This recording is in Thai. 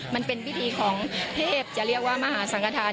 มันเป็นพิธีของเทพจะเรียกว่ามหาสังฆฐาน